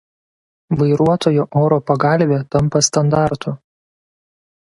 Vairuotojo oro pagalvė tampa standartu.